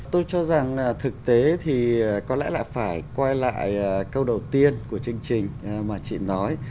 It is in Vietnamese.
tôi cho rằng thực tế thì có lẽ là phải quay lại câu đầu tiên của chương trình mà chị nói